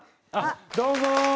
どうも！